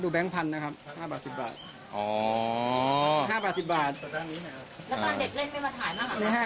ดูแบงค์พันธุ์นะครับ๕บาท๑๐บาทอ๋อ๕บาท๑๐บาทแล้วก็เด็กเล่นไม่มาถ่ายบ้างหรือเปล่า